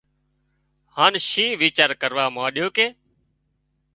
هانَ شينهن ويڇار ڪروا مانڏيو ڪي